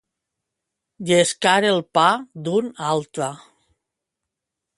Llescar el pa d'un altre.